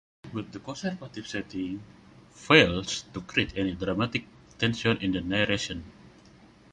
But the conservative setting fails to create any dramatic tension in the narration.